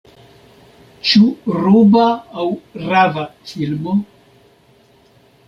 Ĉu ruba aŭ rava filmo?